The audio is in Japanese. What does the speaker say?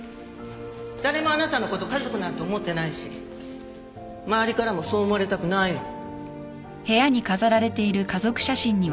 誰もあなたのこと家族なんて思ってないし周りからもそう思われたくないの